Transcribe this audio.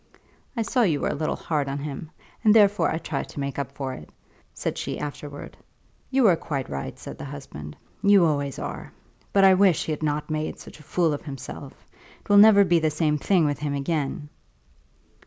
"I saw you were a little hard on him, and therefore I tried to make up for it," said she afterwards. "You were quite right," said the husband. "You always are. But I wish he had not made such a fool of himself. It will never be the same thing with him again."